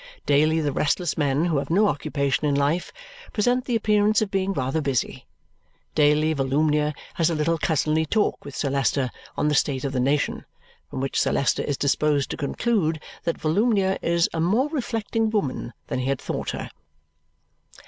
Daily the restless men who have no occupation in life present the appearance of being rather busy. Daily Volumnia has a little cousinly talk with Sir Leicester on the state of the nation, from which Sir Leicester is disposed to conclude that Volumnia is a more reflecting woman than he had thought her.